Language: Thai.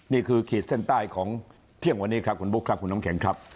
ขีดเส้นใต้ของเที่ยงวันนี้ครับคุณบุ๊คครับคุณน้ำแข็งครับ